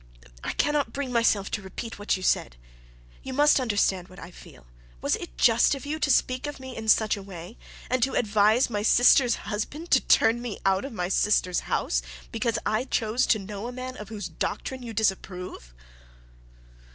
I cannot bring myself to repeat what you said. You must understand what I feel. Was it just of you to speak of me in such a way, and to advise my sister's husband to turn me out of my sister's house because I chose to know a man of whose doctrine you disapprove?'